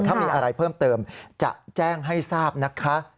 ถ้ามีอะไรเพิ่มเติมจะแจ้งให้ทราบนะคะ